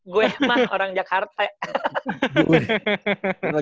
gue emang orang jakarta